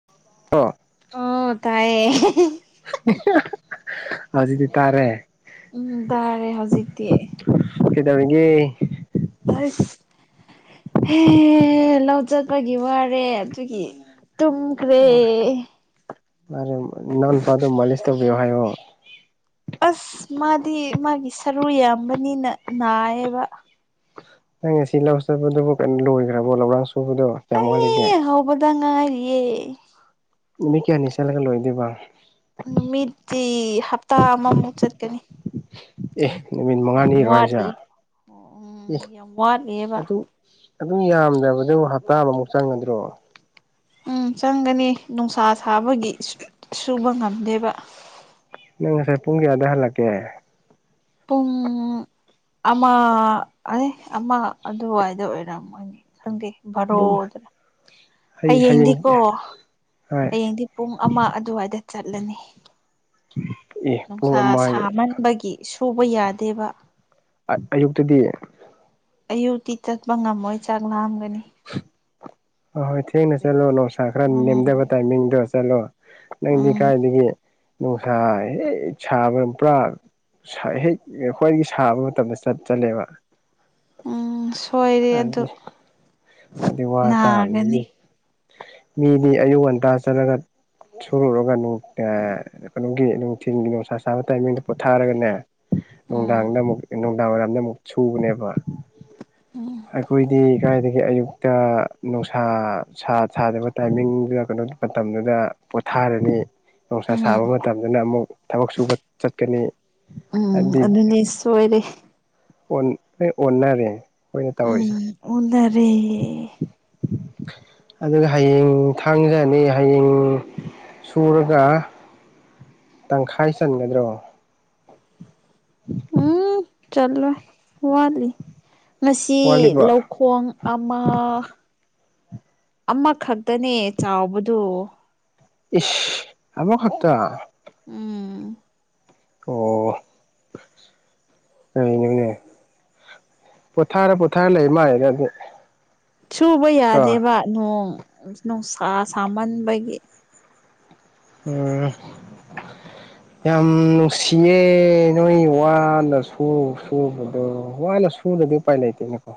[unintelligible] ꯑꫭ ꯇꯥꯏꯌꯦ꯫ ꯍꯧꯖꯤꯛꯗꯤ ꯇꯥꯔꯦ꯫ ꯎꯝ ꯇꯥꯔꯦ ꯍꯧꯖꯤꯛꯇꯤ ꯀꯩꯗꯧꯔꯤꯒꯦ꯫ ꯑꯁ ꯍꯦ ꯂꯧ ꯆꯠꯄꯒꯤ ꯋꯥꯔꯦ ꯑꯗꯨꯒꯤ ꯇꯨꯝꯈ꯭ꯔꯦ꯫ ꯑꯗꯨꯝ ꯅꯅꯥꯎꯅꯨꯄꯗꯣ ꯃꯂꯤꯁ ꯇꯧꯕꯤꯌꯣ ꯍꯥꯏꯌꯣ꯫ ꯑꯁ ꯃꯥꯗꯤ ꯃꯥꯒꯤ ꯁꯔꯨ ꯌꯥꯝꯕꯅꯤꯅ ꯅꯥꯌꯦꯕ꯫ ꯅꯪ ꯉꯁꯤ ꯂꯧ ꯆꯠꯄꯗꯨꯕꯨ ꯀꯩꯅꯣ ꯂꯣꯏꯈ꯭ꯔꯕꯣ ꯂꯧꯔꯥꯡ ꯁꯨꯕꯗꯣ ꯀꯌꯥꯝ ꯋꯥꯠꯂꯤꯒꯦ꯫ ꯑꯩ ꯍꯧꯕꯗ ꯉꯥꯏꯔꯤꯌꯦ꯫ ꯅꯨꯃꯤꯠ ꯀꯌꯥꯅꯤ ꯆꯠꯂꯒ ꯂꯣꯏꯗꯣꯏꯕ꯫ ꯅꯨꯃꯤꯠꯇꯤ ꯍꯞꯇꯥ ꯑꯃꯃꯨꯛ ꯆꯠꯀꯅꯤ꯫ ꯑꯦ ꯅꯨꯃꯤꯠ ꯌꯥꯝ ꯃꯉꯥꯅꯤꯔꯣ ꯍꯥꯏꯁꯦ ꯋꯥꯠꯂꯤ ꯑꯦ ꯑꯣ ꯎꯝ ꯌꯥꯝ ꯋꯥꯠꯂꯤꯑꯕ ꯑꯗꯨ ꯑꯗꯨꯝ ꯌꯥꯝꯗ꯭ꯔꯕꯗꯨꯕꯨ ꯍꯞꯇꯥ ꯑꯃꯃꯨꯛ ꯆꯪꯒꯗ꯭ꯔꯣ꯫ ꯎꯝ ꯆꯪꯒꯅꯤ ꯅꯨꯡꯁꯥ ꯁꯥꯕꯒꯤ ꯁꯨꯕ ꯉꯝꯗꯦꯕ꯫ ꯅꯪ ꯉꯁꯥꯏ ꯄꯨꯡ ꯀꯌꯥꯗ ꯍꯜꯂꯛꯀꯦ꯫ ꯄꯨꯡ ꯑꯃ꯫ ꯑꯥꯏ ꯑꯃ ꯑꯗꯨꯋꯥꯏꯗ ꯑꯣꯏꯔꯝꯒꯅꯤ ꯈꯪꯗꯦ ꯑꯗꯨꯝ ꯚꯥꯔꯣꯗꯔ꯫ ꯍꯌꯦꯡ ꯍꯌꯦꯡꯗꯤꯀꯣ ꯍꯣꯏ ꯍꯌꯦꯡꯗꯤ ꯄꯨꯡ ꯑꯃ ꯑꯗꯨꯋꯥꯏꯗ ꯆꯠꯂꯅꯤ꯫ ꯑꯦ ꯄꯨꯡ ꯅꯨꯡꯁꯥ ꯑꯃ ꯁꯥꯃꯟꯕꯒꯤ ꯁꯨꯕ ꯌꯥꯗꯦꯕ꯫ ꯑ ꯑꯌꯨꯛꯇꯗꯤ꯫ ꯑꯌꯨꯛꯇꯤ ꯆꯠꯄ ꯉꯝꯃꯣꯏ ꯆꯥꯛ ꯂꯥꯝꯒꯅꯤ꯫ ꯍꫭ ꯍꯣꯏ ꯊꯦꯡꯅ ꯑꯗꯨꯅꯤ ꯆꯠꯂꯣ ꯅꯨꯡꯁꯥ ꯈꯔ ꯎꯝ ꯅꯦꯝꯗꯕ ꯇꯥꯏꯃꯤꯡꯗꫭ ꯆꯠꯂꯣ꯫ ꯅꯪꯗꯤ ꯎꯝ ꯀꯥꯏꯗꯒꯤ ꯅꯨꯡꯁꯥ ꯍꯦꯛ ꯁꯥꯕ ꯄꯨꯔꯥ ꯁꯥꯏ ꯍꯦꯛ ꯈ꯭ꯋꯥꯏꯗꯒꯤ ꯁꯥꯕ ꯃꯇꯝꯗ ꯆꯠ ꯆꯠꯂꯦꯕ꯫ ꯎꯝ ꯁꯣꯏꯔꯦ ꯑꯗꯨ ꯑꯗꯨꯗꯤ ꯑꯗꯨꯗꯤ ꯋꯥ ꯅꯥꯒꯅꯤ꯫ ꯇꯥꯕꯅꯤ ꯃꯤꯗꯤ ꯑꯌꯨꯛ ꯉꯟꯇꯥ ꯆꯠꯂꯒ ꯁꯨꯔꯨꯔꯒ ꯅꯨꯡ ꯑ ꯅꯣ ꯒꯤ ꯅꯨꯡꯊꯤꯟꯒꯤ ꯅꯨꯡꯁꯥ ꯁꯥꯕ ꯇꯥꯏꯃꯤꯡꯗꯣ ꯄꯣꯊꯥꯔꯒꯅꯦ ꯅꯨꯡꯗꯥꯡꯗ ꯎꯝ ꯑꯃꯨꯛ ꯏꯅꯨꯡ ꯗꯥꯡ ꯋꯥꯏꯔꯝꯕ ꯑꯃꯨꯛ ꯁꯨꯕꯅꯦꯕ꯫ ꯎꯝ ꯑꯩꯈꯣꯏꯗꯤ ꯀꯥꯏꯗꯒꯤ ꯑꯌꯨꯛꯇꯥ ꯅꯨꯡꯁꯥ ꯁꯥ ꯁꯥꯗꯕ ꯇꯥꯏꯃꯤꯡꯗꯨꯗ ꯀꯩꯅꯣ ꯃꯇꯝꯗꯨꯗ ꯄꯣꯊꯥꯔꯅꯤ꯫ ꯅꯨꯡꯁꯥ ꯎꯝ ꯁꯥꯕ ꯃꯇꯝꯗꯅ ꯑꯃꯨꯛ ꯊꯕꯛ ꯁꯨꯕ ꯆꯠꯀꯅꯤ ꯍꯥꯏꯗꯤ ꯑꯗꯨꯗꯤ ꯁꯣꯏꯔꯦ꯫ ꯑꯣꯟꯅꯔꯦ ꯑꯩꯣꯏ ꯑꯣꯏꯅ ꯇꯧꯔꯤꯁꯦ ꯑꯣꯗꯔꯦ ꯑꯗꯨꯒ ꯍꯌꯦꯡ ꯊꯥꯡꯖꯅꯤ ꯍꯌꯦꯡ ꯁꯨꯔꯒ ꯇꯪꯈꯥꯏ ꯆꯟꯒꯗ꯭ꯔꯣ ꯎꯝ ꯆꯠꯂꯣꯏ ꯋꯥꯠꯂꯤ ꯃꯁꯤ ꯋꯥꯠꯂꯤꯕ ꯂꯧ ꯈꯣꯡ ꯑꯃ ꯑꯃꯈꯛꯇꯅꯦ ꯆꯥꯎꯕꯗꯨꯣ ꯏꯁ ꯑꯕꯣ ꯈꯠꯇꯠꯇ ꯎꯝ ꯑꯣ ꯀꯩꯅꯦꯕꯅꯦ ꯄꯣꯊꯥꯔ ꯄꯣꯊꯥꯔ ꯂꯩ ꯃꯥꯥꯏꯗꯗꯤ ꯁꯨꯕ ꯌꯥꯗꯦꯕ ꯅꯣꯡ ꯅꯨꯡꯁꯥ ꯁꯥꯃꯟꯕꯒꯤ ꯎꯝ [inaudible] ꯌꯥꯝ ꯅꯨꯡꯁꯤꯌꯦ ꯅꯣꯏ ꯋꯥꯅ ꯁꯨꯔ ꯁꯨꯕꯗꯣ ꯋꯥꯅ ꯁꯨꯔꯨꯔꯗꯤ ꯄꯥꯏ ꯂꯩꯇꯦꯅꯀꯣ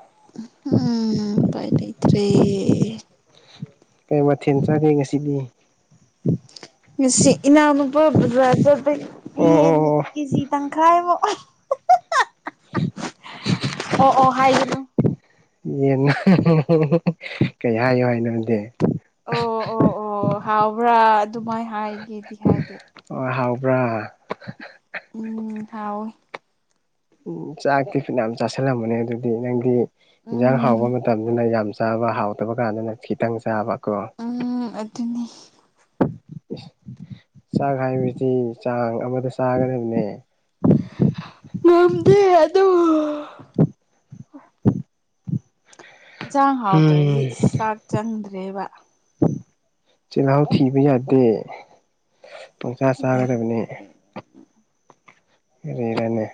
ꯎꯝ ꯀꯥꯏ ꯇꯇꯦ ꯀꯩ ꯃꯊꯦꯜ ꯆꯥꯒꯦ ꯉꯁꯤꯗꯤ ꯉꯁꯤ ꯏꯅꯥꯅ ꯄꯥꯕꯗ ꯆ ꯑꯣ ꯑꯣ ꯑꯣ ꯀꯦꯖꯤ ꯇꯪꯈꯥꯏꯃꯨꯛ ꯑꯣ ꯑꯣ ꯍꯥꯏꯒꯅꯨ ꯌꯦ ꯀꯩ ꯍꯥꯏꯌꯨ ꯍꯥꯏꯅꯗꯤꯦ ꯑꯣ ꯑꯣ ꯑꯣ ꯍꯥꯎꯕ꯭ꯔꯥ ꯑꯗꯨꯃꯥꯏꯅ ꯍꯥꯏꯒꯦꯗꯤ ꯍꯥꯏꯗꯤ ꯍꯣꯏ ꯍꯥꯎꯕ꯭ꯔꯥ ꯎꯝ ꯊꯥꯎ ꯎ ꯆꯥꯛꯇꯤ ꯐꯤ ꯌꯥꯝ ꯆꯥꯁꯤꯜꯂꯝꯕꯅꯦ ꯑꯗꯨꯗꯤ ꯅꯪꯗꯤ ꯏꯟꯖꯥꯡ ꯍꯥꯎꯕ ꯎꯝ ꯃꯇꯝꯗꯅ ꯌꯥꯝ ꯆꯥꯕ ꯍꯥꯎꯇꯕ ꯀꯥꯟꯗꯅ ꯈꯤꯇꯪ ꯆꯥꯕꯀꯣ ꯎꯝ ꯑꯗꯨꯅꯤ ꯆꯥꯛ ꯍꯥꯏꯕꯁꯤ ꯆꯥꯡ ꯑꯃꯗ ꯆꯥꯒꯗꯕꯅꯦ ꯅꯝꯗꯦ ꯑꯗꯣ ꯌꯦꯟꯁꯥꯡ ꯍꯥꯎꯇ꯭ꯔꯗꯤ ꯎꯝ ꯆꯥꯛ ꯆꯪꯗ꯭ꯔꯦꯕ ꯆꯂ ꯊꯕ ꯌꯥꯗꯦ ꯄꯨꯡꯁꯥ ꯆꯥꯒꯗꯕꯅꯤ ꯌꯥꯗꯦ ꯔꯅꯦ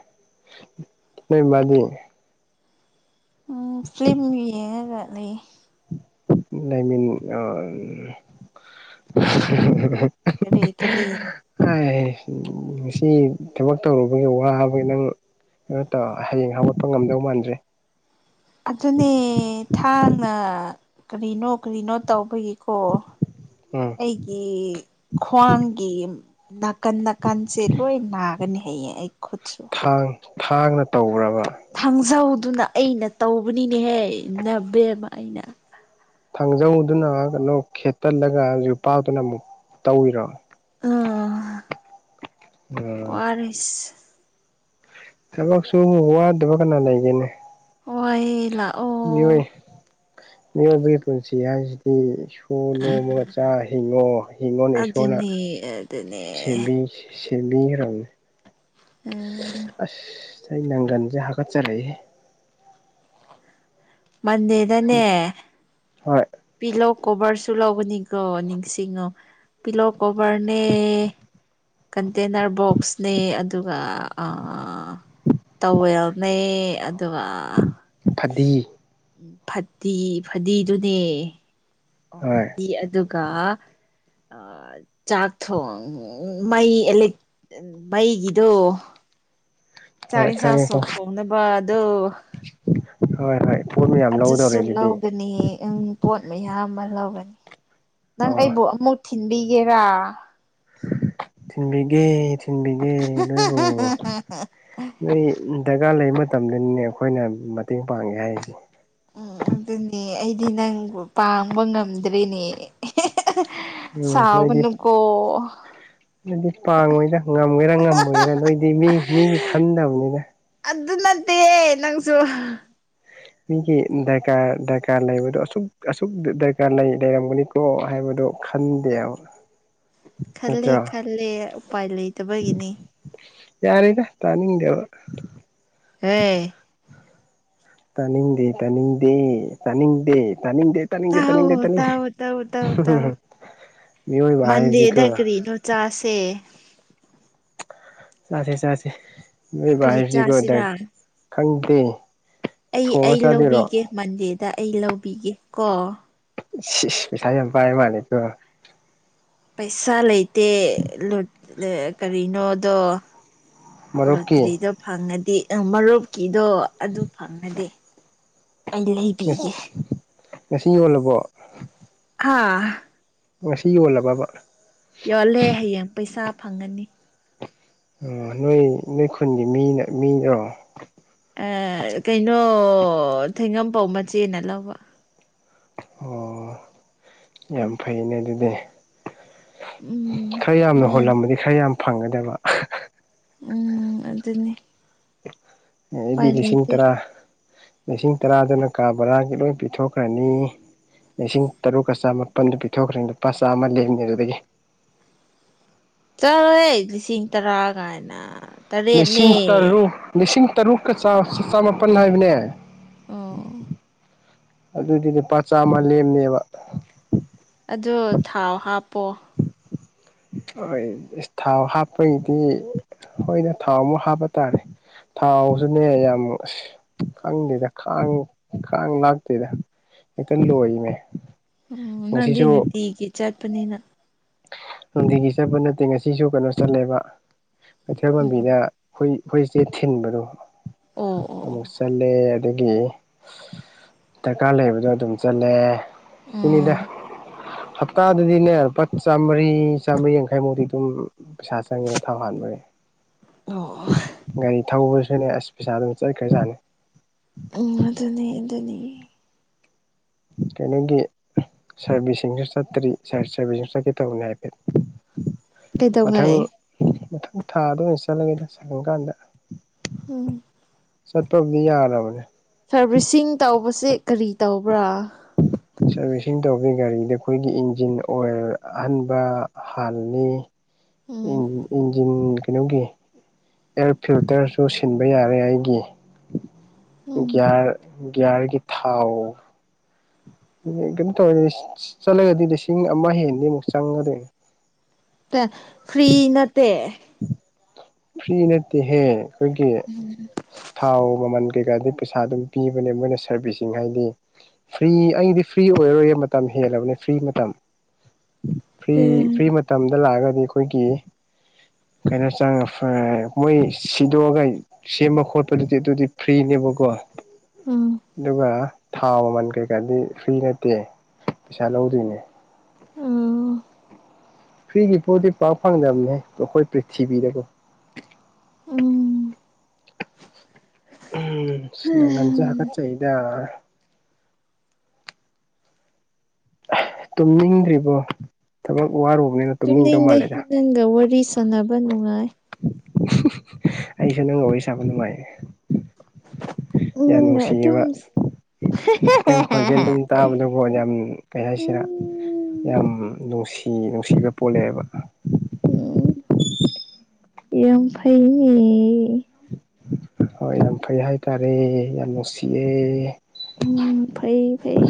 ꯅꯣꯏ ꯃꯥꯗꯤ ꯎꯝ ꯐꯤꯂꯝꯒꯤꯌꯦꯔ ꯂꯩ ꯑꯥꯏꯃꯤꯟ ꯀꯔꯤ ꯀꯔꯤꯌꯦ ꯍꯥꯏ ꯉꯁꯤ ꯊꯕꯛ ꯇꯧꯔꯨꯕꯒꯤ ꯋꯥꯕꯒꯤ ꯅꯪ ꯑꯗꯨꯠꯇ ꯍꯌꯦꯡ ꯍꯥꯒꯠꯄ ꯉꯝꯗꯧ ꯃꯥꯟꯗ꯭ꯔꯦ ꯑꯗꯨꯅꯦ ꯊꯥꯡꯅ ꯀꯔꯤꯅꯣ ꯀꯔꯤꯅꯣ ꯇꯧꯕꯒꯤ ꯀꯣ ꯎꯝ ꯑꯩꯒꯤ ꯈ꯭ꯋꯥꯡꯒꯤ ꯅꯥꯀꯟ ꯅꯥꯀꯟꯁꯦ ꯂꯣꯏ ꯅꯥꯒꯅꯤ ꯍꯌꯦꯌꯦ ꯑꯩ ꯈꯨꯠꯁꯨ ꯊꯥꯡ ꯊꯥꯡꯅ ꯇꯧꯈꯔꯕ ꯊꯥꯡꯖꯧꯗꯨꯅ ꯑꯩꯅ ꯇꯧꯕꯅꯤꯅꯦꯍꯦ ꯅꯕꯦꯝꯃ ꯑꯩꯅ ꯊꯥꯡꯖꯧꯗꯨꯅ ꯀꯩꯅꯣ ꯈꯦꯠꯇꯜꯂꯒ ꯌꯨꯄꯥꯛꯗꯨꯅ ꯑꯃꯨꯛ ꯇꯧꯋꯤꯔꯣ ꯎ ꯎꯝ ꯋꯥꯔꯤꯔꯁ ꯊꯕꯛꯁꯨ ꯑꯃꯨꯛ ꯋꯥꯗꯕ ꯀꯅꯥ ꯂꯩꯒꯦꯅꯦ ꯍꯣꯏ ꯂꯥꯛꯑꯣ ꯃꯤꯑꯣꯏ ꯃꯤꯑꯣꯏꯕꯒꯤ ꯄꯨꯟꯁꯤ ꯍꯥꯏꯁꯤꯗꯤ ꯎ ꯅꯣꯡꯃꯒ ꯆꯥ ꯍꯤꯡꯉꯣ ꯍꯤꯉꯣꯅ ꯏꯁꯣꯔꯅ ꯑꯗꯨꯅꯦ ꯑꯗꯨꯅꯦ ꯁꯦꯝꯕꯤ ꯁꯦꯝꯕꯤꯈ꯭ꯔꯕꯅꯦ ꯑꯥꯥ ꯑꯁ ꯑꯩ ꯅꯪꯒꯟꯁꯦ ꯍꯥꯒꯠꯆꯔꯛꯑꯦꯍꯦ ꯃꯟꯗꯦꯗꯅꯦ ꯍꯣꯏ ꯄꯤꯂꯣ ꯀꯣꯕꯔꯁꯨ ꯂꯧꯕꯅꯤꯀꯣ ꯅꯤꯡꯁꯤꯡꯉꯣ ꯄꯤꯂꯣ ꯀꯣꯕꯔꯅꯦ ꯀꯟꯇꯦꯅꯔ ꯕꯣꯛꯁꯅꯦ ꯑꯗꯨꯒ ꯑꯥ ꯇꯧꯋꯦꯜꯅꯦ ꯑꯗꯨꯒ ꯐꯗꯤ ꯎꯝ ꯐꯠꯇꯤ ꯐꯗꯤꯗꯨꯅꯦ ꯑꯣ ꯍꯣꯏ ꯐꯗꯤ ꯑꯗꯨꯒ ꯑꯥ ꯆꯥꯛ ꯊꯣꯡ ꯃꯩ ꯑꯦꯂꯦꯛ ꯃꯩꯒꯤꯗꯣ ꯆꯥꯛ ꯍꯣꯏ ꯏꯟꯁꯥꯡꯁꯨ ꯈꯪꯉꯦꯀꯣ ꯊꯣꯛꯅꯕꯗꯣ ꯍꯣꯏ ꯍꯣꯏ ꯄꯣꯠ ꯃꯌꯥꯝ ꯑꯗꯨꯁꯨ ꯂꯧꯗꯧꯔꯦ ꯑꯗꯨꯗꯤ ꯂꯧꯒꯅꯤ ꯎꯝ ꯄꯣꯠ ꯃꯌꯥꯝ ꯑꯃ ꯂꯧꯒꯅꯤ ꯅꯪ ꯑꯣ ꯑꯩꯕꯨ ꯑꯃꯨꯛ ꯊꯤꯟꯕꯤꯒꯦꯔꯥ ꯊꯤꯟꯕꯤꯒꯦ ꯊꯤꯟꯕꯤꯒꯦ ꯅꯣꯏꯕꯨ ꯅꯣꯏ ꯗꯔꯀꯥꯔ ꯂꯩꯕ ꯃꯇꯝꯗꯅꯤꯅꯦ ꯑꯩꯈꯣꯏꯅ ꯃꯇꯦꯡ ꯄꯥꯡꯉꯦ ꯍꯥꯏꯔꯤꯁꯦ ꯎꯝ ꯑꯗꯨꯅꯦ ꯑꯩꯗꯤ ꯅꯪꯕꯨ ꯄꯥꯡꯕ ꯉꯝꯗ꯭ꯔꯦꯅꯦ ꯎꯝ ꯅꯣꯏꯗꯤ ꯁꯥꯥꯎꯒꯅꯨꯀꯣ ꯅꯣꯏꯗꯤ ꯄꯥꯡꯉꯣꯏꯗ ꯉꯝꯒꯦꯔꯥ ꯉꯝꯃꯣꯏꯒꯦꯔꯥ ꯅꯣꯏꯗꯤ ꯃꯤ ꯃꯤꯒꯤ ꯈꯟꯗꯕꯅꯤꯅ ꯑꯗꯨ ꯅꯠꯇꯤꯌꯦ ꯅꯪꯁꯨ ꯃꯤꯒꯤ ꯗꯔꯀꯥꯔ ꯗꯔꯀꯥꯔ ꯂꯩꯕꯗꯣ ꯑꯁꯨꯛ ꯑꯁꯨꯛ ꯗꯔꯀꯥꯔ ꯂꯩ ꯂꯩꯔꯝꯒꯅꯤꯀꯣ ꯀꯧ ꯍꯥꯏꯕꯗꯣ ꯈꯟꯗꯦꯕ ꯈꯜꯂꯦ ꯅꯠꯇ꯭ꯔꯣ ꯈꯜꯂꯦ ꯎꯄꯥꯏ ꯂꯩꯇꯕꯒꯤꯅꯤ ꯌꯥꯔꯦꯗ ꯇꯥꯅꯤꯡꯗꯦꯕ ꯍꯦ ꯇꯅꯤꯡꯗꯦ ꯇꯅꯤꯡꯗꯦ ꯇꯅꯤꯡꯗꯦ ꯇꯅꯤꯡꯗꯦ ꯇꯥꯅꯤꯡꯗꯦ ꯇꯥꯎ ꯇꯥꯅꯤꯡꯗꯦ ꯇꯥꯅꯤꯡꯗꯦ ꯇꯥꯎ ꯇꯥꯎ ꯇꯥꯎ ꯇꯥꯎ ꯃꯤꯑꯣꯏꯕ ꯍꯥꯏꯕꯁꯤꯀꯣ ꯃꯟꯗꯦꯗ ꯀꯔꯤꯅꯣ ꯆꯥꯁꯦ ꯆꯥꯁꯦ ꯆꯥꯁꯦ ꯃꯤꯑꯣꯏꯕ ꯀꯔꯤ ꯍꯥꯏꯕꯁꯦꯀꯣ ꯆꯥꯁꯤꯔꯥ ꯈꯪꯗꯦ ꯑꯩ ꯊꯣꯡꯉ ꯑꯩ ꯆꯥꯗꯣꯏꯔꯣ ꯂꯧꯕꯤꯒꯦ ꯃꯟꯗꯦꯗ ꯑꯩ ꯂꯧꯕꯤꯒꯦ ꯀꯣ ꯏꯁ ꯏꯁ ꯄꯩꯁꯥ ꯌꯥꯝ ꯄꯥꯏꯕ ꯃꯥꯜꯂꯤꯀꯣ ꯄꯩꯁꯥ ꯂꯩꯇꯦ ꯂꯨꯠ ꯀꯔꯤꯅꯣꯗꯣ ꯃꯔꯨꯞꯀꯤ ꯂꯣꯇ꯭ꯔꯤꯗꯣ ꯐꯪꯉꯗꯤ ꯑꯥ ꯃꯔꯨꯞꯀꯤꯗꯣ ꯑꯗꯨ ꯐꯪꯉꯗꯤ ꯑꯩ ꯂꯩ ꯉꯁꯤ ꯌꯣꯜꯂꯕꯣ ꯍꯥꯥ ꯉꯁꯤ ꯌꯣꯜꯂꯕꯕ ꯌꯣꯜꯂꯦ ꯍꯌꯦꯡ ꯄꯩꯁꯥ ꯐꯪꯉꯅꯤ ꯑꯣ ꯅꯣꯏ ꯅꯣꯏ ꯈꯨꯟꯒꯤ ꯃꯤꯅ ꯃꯤꯔꯣ ꯀꯩꯅꯣ ꯊꯦꯡꯉꯝꯄꯧ ꯃꯆꯦꯅ ꯂꯧꯕ ꯑꯣ ꯌꯥꯝ ꯐꯩꯅꯦ ꯑꯗꯨꯗꯤ ꯎꯝ ꯈꯔ ꯌꯥꯝꯅ ꯃꯥꯅꯤ ꯍꯨꯜꯂꯝꯕꯗꯤ ꯈꯔ ꯌꯥꯝ ꯐꯪꯒꯗꯕ ꯎꯝ ꯑꯗꯨꯅꯤ ꯑꯩꯗꯤ ꯎꯄꯥꯏ ꯂꯤꯁꯤꯡ ꯂꯩꯇꯦ ꯇꯔꯥ ꯂꯤꯁꯤꯡ ꯇꯔꯥꯗꯅ ꯀꯥ ꯕꯔꯥꯒꯤ ꯂꯣꯏ ꯄꯤꯊꯣꯛꯈ꯭ꯔꯅꯤ ꯂꯤꯁꯤꯡ ꯇꯔꯨꯛꯀ ꯆꯥꯃꯥꯄꯟꯗꯨ ꯄꯤꯊꯣꯛꯈ꯭ꯔꯦ ꯂꯨꯄꯥ ꯆꯥꯝꯃ ꯂꯦꯝꯅꯤ ꯑꯗꯨꯗꯒꯤ ꯆꯦ ꯂꯤꯁꯤꯡ ꯇꯔꯥ ꯀꯥꯏꯅ ꯇꯔꯦꯠꯅꯦ ꯂꯤꯁꯤꯡ ꯇꯔꯨꯛ ꯂꯤꯁꯤꯡ ꯇꯔꯨꯛꯀ ꯆꯃꯥꯄꯜ ꯍꯥꯏꯕꯅꯦ ꯑꯣ ꯑꯗꯨꯗꯨꯗꯤ ꯄꯄꯥ ꯆꯥꯝꯃ ꯂꯦꯝꯅꯦꯕ ꯑ ꯊꯥꯎ ꯍꯥꯞꯄꯣ ꯍꯣꯏ ꯏꯁ ꯊꯥꯎ ꯍꯥꯞꯄꯒꯤꯗꯤ ꯍꯣꯏꯅ ꯊꯥꯎ ꯑꯃꯨꯛ ꯍꯥꯞꯄ ꯇꯥꯔꯦ ꯊꯥꯎꯁꯨꯅꯦ ꯌꯥꯝ ꯑꯁ ꯈꯪꯗꯦꯗ ꯈꯥꯡ ꯈꯥꯡ ꯂꯥꯛꯇꯦꯗ ꯀꯟ ꯂꯅꯦ ꯑꯣ ꯅꯪꯗꯤ ꯅꯨꯡꯇꯤꯒꯤ ꯆꯠꯄꯅꯤꯅ ꯅꯨꯡꯇꯤꯒꯤ ꯆꯠꯄ ꯅꯠꯇꯦ ꯉꯁꯤꯁꯨ ꯀꯩꯅꯣ ꯆꯠꯂꯦꯕ ꯀꯩꯊꯦꯜ ꯎꯝ ꯃꯕꯤꯗ ꯍꯣꯏ ꯍꯨꯣꯏꯁꯦ ꯊꯤꯟꯕꯗꯣ ꯑꯣ ꯑꯣ ꯑꯣ ꯑꯃꯨꯛ ꯆꯠꯂꯦ ꯑꯗꯒꯤ ꯗꯔꯀꯥꯔ ꯂꯩꯕꯗꯣ ꯑꯗꯨꯝ ꯆꯠꯂꯦ ꯁꯤꯅꯤꯗ ꯎꯝ ꯍꯞꯇꯥ ꯑꯗꯨꯗꯤꯅꯦꯦ ꯄ ꯆꯥꯝꯃꯔꯤ ꯆꯥꯝꯃꯔꯤ ꯌꯥꯡꯈꯩꯃꯨꯗꯤꯤ ꯑꯗꯨꯝ ꯄꯩꯁꯥ ꯆꯪꯉꯦꯅ ꯊꯥꯎ ꯍꯥꯟꯕꯅꯦ ꯑꯣ ꯒꯥꯔꯤ ꯊꯧꯕꯁꯨꯅꯦ ꯑꯁ ꯄꯩꯁꯥ ꯑꯗꯨꯝ ꯆꯠꯈ꯭ꯔꯖꯥꯅꯤ ꯎꯝ ꯑꯗꯨꯅꯤ ꯑꯗꯨꯅꯤ ꯀꯩꯅꯣꯒꯤ ꯁꯥꯔꯦꯕꯤ ꯆꯇꯔꯤꯔꯦ ꯁꯔꯕꯤꯁ ꯀ ꯇꯕꯅꯦ ꯍꯥꯏꯐꯦꯠ ꯃꯊꯪ ꯀꯩꯗꯧꯉꯩ ꯃꯊꯪ ꯊꯥꯗ ꯑꯣꯏꯅ ꯆꯠꯂꯒꯦꯗ ꯆꯠꯂ ꯀꯥꯟꯗ ꯎꯝ ꯆꯠꯄꯕꯨꯗꯤ ꯌꯥꯔꯕꯅꯦ ꯁꯔꯚꯤꯁꯁꯤꯡ ꯇꯧꯕꯁꯦ ꯀꯔꯤ ꯇꯧꯕ꯭ꯔꯥ ꯁꯥꯔꯚꯤꯁꯁꯤꯡ ꯇꯧꯕꯒꯤ ꯒꯥꯔꯤꯗ ꯑꯩꯈꯣꯏꯒꯤ ꯏꯟꯖꯤꯟ ꯑꯣꯏꯜ ꯑꯍꯟꯕ ꯍꯥꯜꯂꯤ ꯎꯝ ꯏꯟꯖꯤꯟ ꯀꯩꯅꯣꯒꯤ ꯑꯦꯌꯥꯔ ꯐꯤꯜꯇꯔꯁꯨ ꯁꯤꯟꯕ ꯌꯥꯔꯦ ꯑꯩꯒꯤ ꯎꯝ ꯒꯤꯒꯌꯥꯔ ꯭ꯌꯥꯔꯒꯤ ꯊꯥꯎ ꯀꯩꯅꯣ ꯇꯧꯔꯅꯦ ꯆꯠꯂꯒꯗꯤ ꯂꯤꯁꯤꯡ ꯑꯃ ꯍꯦꯟꯗꯤ ꯑꯃꯨꯛ ꯆꯪꯒꯗꯣꯏꯅꯦ ꯐ꯭ꯔꯔꯤ ꯅꯠꯇꯦ ꯐ꯭ꯔꯤ ꯅꯠꯇꯦꯍꯦ ꯑꯩꯈꯣꯏꯒꯤ ꯊꯥꯎ ꯃꯃꯜ ꯀꯩꯀꯥꯗꯤ ꯄꯩꯁꯥ ꯑꯗꯨꯝ ꯄꯤꯕꯅꯦ ꯃꯣꯏꯅ ꯁꯔꯚꯤꯁꯁꯤꯡ ꯍꯥꯏꯗꯤ ꯐ꯭ꯔꯤ ꯑꯩꯗꯤ ꯐ꯭ꯔꯤ ꯑꯣꯏꯔꯔꯣꯏ ꯃꯇꯝ ꯍꯦꯜꯂꯕꯅꯦ ꯐ꯭ꯔꯤ ꯃꯇꯝ ꯐ꯭ꯔꯤ ꯎꯝ ꯐ꯭ꯔꯤ ꯃꯇꯝꯗ ꯂꯥꯛꯑꯒꯗꯤ ꯑꯩꯈꯣꯏꯒꯤ ꯀꯩꯅꯣ ꯆꯪꯉ ꯐ ꯃꯣꯏ ꯁꯤꯗꯣꯛꯑꯒ ꯁꯦꯝꯕ ꯈꯣꯠꯄꯗꯨꯗꯤ ꯑꯗꯨꯗꯤ ꯐ꯭ꯔꯤꯅꯦꯕꯀꯣ ꯎꯝ ꯑꯗꯨꯒ ꯊꯥꯎ ꯃꯃꯜ ꯀꯩꯀꯥꯗꯤ ꯐ꯭ꯔꯤ ꯅꯠꯇꯦ ꯄꯩꯁꯥ ꯂꯧꯗꯣꯏꯅꯦ ꯑꯧ ꯐ꯭ꯔꯤꯒꯤ ꯄꯣꯠꯇꯗꯤ ꯄꯥꯛ ꯐꯪꯗꯕꯅꯦ ꯑꯩꯈꯣꯏ ꯄ꯭ꯔꯤꯊꯤꯕꯤꯗꯀꯣ [unintelligible] ꯎꯝ ꯏꯁ ꯅꯒꯥꯟꯁꯦ ꯍꯥꯒꯠꯆꯩꯗ ꯇꯨꯝꯅꯤꯡꯗ꯭ꯔꯤꯕꯣ ꯊꯕꯛ ꯋꯥꯔꯨꯕꯅꯤꯅ ꯇꯨꯝꯅꯤꯡꯗꯧ ꯇꯨꯝꯅꯤꯡꯗꯦ ꯃꯥꯜꯂꯦꯗ ꯅꯪꯒ ꯋꯥꯔꯤ ꯁꯥꯟꯅꯕ ꯅꯨꯡꯉꯥꯏ ꯑꯩꯁꯨ ꯅꯪꯒ ꯋꯥꯔꯤ ꯁꯥꯕ ꯅꯨꯡꯉꯥꯏ ꯅꯪꯒ ꯑꯗꯨꯝꯁ ꯅꯪ ꯈꫭꯟꯖꯦꯜ ꯑꯗꯨꯝ ꯇꯥꯕꯗ ꯀꫭ ꯌꯥꯝ ꯀꯩ ꯍꯥꯏꯁꯤꯔꯥ ꯌꯥꯝ ꯅꯨꯡꯁꯤ ꯅꯨꯡꯁꯤꯕ ꯄꯣꯜꯂꯛꯑꯦꯕ ꯎꯝ ꯌꯥꯝ ꯐꯩꯅꯦ ꯍꯣꯏ ꯌꯥꯝ ꯐꯩ ꯍꯥꯏꯇꯥꯔꯦ ꯌꯥꯝ ꯅꯨꯡꯁꯤꯌꯦ ꯎꯝ ꯐꯩ ꯐꯩ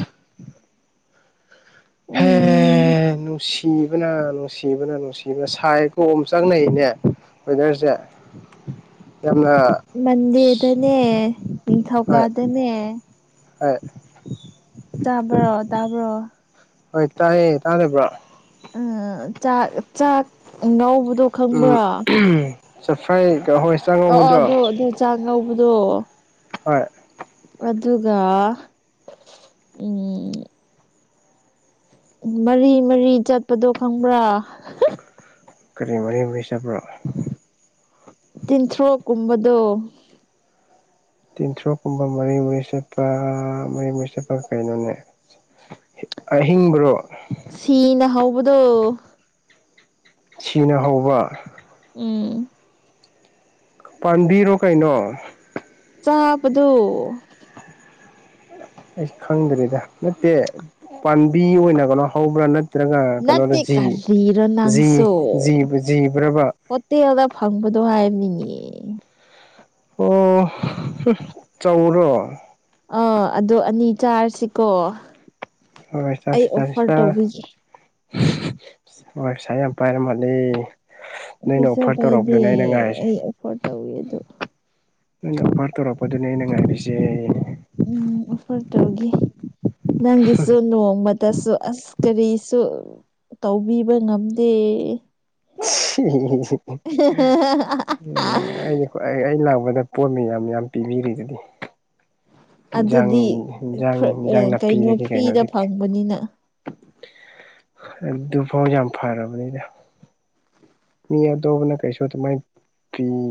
ꯍꯦ ꯎꯝ ꯅꯨꯡꯁꯤꯕꯅ ꯅꯨꯡꯁꯤꯕꯅ ꯅꯨꯡꯁꯤꯕꯅ ꯁꯥꯏ ꯇꯣꯝ ꯑꫭꯝꯆꯥꯛꯅꯩꯅꯦ ꯋꯦꯗꯔꯁꯦ ꯌꯥꯝꯅ ꯃꯟꯗꯦꯗꯅꯦ ꯅꯤꯡꯊꯧꯀꯥꯗꯅꯦ ꯍꫭꯏ ꯆꯥꯕ꯭ꯔꯣ ꯇꯥꯕ꯭ꯔꯣ ꯍꯣꯏ ꯇꯥꯏꯌꯦ ꯇꯥꯗꯕ꯭ꯔꯣ ꯎꯝ ꯆꯥꯛ ꯆꯥꯛ ꯉꯥꯎꯕꯗꯣ ꯎꯝ [unintelligible] ꯑꫭ ꯑꫭ ꯑꯗꯣ ꯑꯗꯨ ꯆꯥꯛ ꯉꯧꯕꯗꯣ꯫ ꯍꫭꯏ ꯑꯗꯨꯒ ꯎꯝ ꯃꯔꯤ ꯃꯔꯤ ꯆꯠꯄꯗꯣ ꯈꯪꯕ꯭ꯔꯥ ꯀꯔꯤ ꯃꯔꯤ ꯃꯔꯤ ꯆꯠꯕ꯭ꯔꯣ ꯇꯤꯟꯊ꯭ꯔꯣꯛ ꯀꯨꯝꯕꯗꯣ ꯇꯤꯟꯊ꯭ꯔꫭꯛꯀꯨꯝꯕ ꯃꯔꯤ ꯃꯔꯤ ꯆꯠꯄ ꯃꯔꯤ ꯃꯔꯤ ꯆꯠꯄ ꯀꯩꯅꯣꯅꯦ ꯑꯍꯤꯡꯕ꯭ꯔꯣ ꯁꯤꯅ ꯍꯧꯕꯗꯣ ꯁꯤꯅ ꯍꯧꯕ ꯎꯝ‌꯫ ꯄꯥꯟꯕꯤꯔꯣ ꯀꯩꯅꯣ ꯆꯥꯕꯗꫭ ꯑꯩꯁ ꯈꯪꯗ꯭ꯔꯦꯗ ꯅꯠꯇꯦ ꯄꯥꯝꯕꯤ ꯑꯣꯏꯅ ꯀꯩꯅꯣ ꯍꯧꯕ꯭ꯔꯥ ꯅꯠ ꯇ꯭ꯔꯒ ꯀꯩꯅꯣꯗꯥ ꯅꯠꯇꯦ ꯖꯤ ꯀꯔꯤꯔꯣ ꯖꯤ ꯖꯤꯕ ꯖꯤꯕ꯭ꯔꯥꯕ ꯇꯦꯜꯗ ꯐꯪꯕꯗꯣ ꯍꯥꯏꯕꯅꯤꯅꯦ ꯑꯣ ꯆꯧꯔꯣ ꯑꯥ ꯑꯗꯣ ꯑꯅꯤ ꯆꯥꯔꯁꯤꯀꯣ ꯍꯣꯏ ꯑꯩ ꯆꯥꯁꯤ ꯆꯥꯁꯤ ꯑꯣꯐꯔ ꯆꯥ ꯇꯧꯕꯤꯒꯦ꯫ ꯍꯣꯏ ꯄꯩꯁꯥ ꯌꯥꯝ ꯄꯥꯏꯔ ꯃꯥꯜꯂꯦ꯫ ꯅꯣꯏꯅ ꯄꯩꯁꯥ ꯑꯣꯐꯔ ꯄꯥꯏꯗꯦ ꯇꯧꯔꯛꯄꯗꯨꯅꯦ ꯑꯩꯅ ꯉꯥꯏꯔꯤꯁꯦ ꯑꯩ ꯑꫭꯐꯔ ꯇꯧꯒꯦ ꯑꯗꫭ ꯅꯩꯅ ꯑꯣꯐꯔ ꯇꯧꯔꯛꯄꯗꯨꯅꯦ ꯑꯩꯅ ꯉꯥꯏꯔꯤꯁꯦ꯫ ꯎꯝ ꯑꯣꯐꯔ ꯇꯧꯒꯦ꯫ ꯅꯪꯒꯤꯁꯨ ꯅꯣꯡꯃꯗꯁꯨ ꯑꯁ ꯀꯔꯤꯁꯨ ꯇꯧꯕꯤꯕ ꯉꯝꯗꯦ꯫ ꯅꯨꯡꯉꯥꯏꯅ ꯍꯣꯏ ꯑꯩ ꯑꯩ ꯂꯥꯛꯄꯗ ꯄꯣꯠ ꯃꯌꯥꯝ ꯌꯥꯝ ꯄꯤꯕꯤꯔꯤꯗꯨꯗꯤ ꯏꯟꯖꯥꯡ ꯑꯗꯨꯗꯤ ꯏꯟꯖꯥꯡ ꯐ꯭ꯔ- ꯏꯟꯖꯥꯡ ꯑ, ꯀꯩꯅꯣ ꯅꯥꯄꯤꯗꯒꯤ ꯐ꯭ꯔꯤꯗ ꯀꯩꯅꯣꯗꯒꯤ ꯐꯪꯕꯅꯤꯅ ꯑꯗꯨ ꯐꯥꯎ ꯌꯥꯝ ꯐꯔꯕꯅꯤꯗ ꯃꯤ ꯑꯗꯣꯞ ꯄꯥꯅ ꯀꯩꯔꯤꯁꯨ ꯑꯗꯨꯃꯥꯏꯅ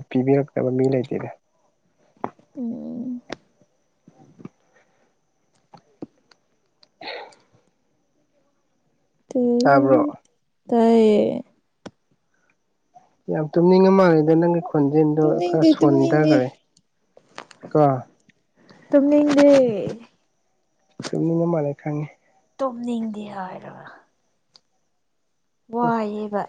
ꯄꯤꯕꯤꯔꯛꯅꯕ ꯃꯤ ꯂꯩꯇꯦꯗꯥ ꯎꯝ ꯇꯥꯕ꯭ꯔꯣ ꯇꯏꯌꯦ ꯌꯥꯝ ꯇꯨꯝꯅꯤꯡꯉ ꯃꯥꯜꯂꯦꯗ ꯅꯪꯒꯤ ꯈꯣꯟꯖꯦꯜꯗꯣ ꯈꯔ ꯇꯨꯝꯅꯤꯡꯗꯦ ꯇꯨꯝꯅꯤꯡꯗꯦ ꯁꯣꯟꯊꯈ꯭ꯔꯦ ꯀꯣ ꯇꯨꯝꯅꯤꯡꯗꯦ ꯇꯝꯅꯤꯡꯉ ꯃꯥꯜꯂꯦ ꯈꯪꯉꯤ ꯇꯨꯝꯅꯤꯡꯗꯦ ꯍꯥꯏꯔꯒ ꯋꯥꯏꯑꯦꯕ